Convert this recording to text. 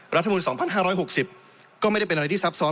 รัฐบุญ๒๕๖๐ก็ไม่ได้เป็นอะไรที่ซับซ้อน